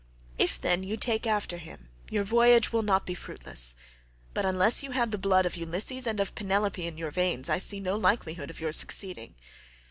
If, then, you take after him, your voyage will not be fruitless, but unless you have the blood of Ulysses and of Penelope in your veins I see no likelihood of your succeeding.